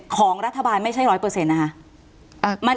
ของรัฐบาลไม่ใช่๑๐๐นะคะ